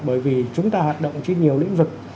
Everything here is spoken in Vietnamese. bởi vì chúng ta hoạt động trên nhiều lĩnh vực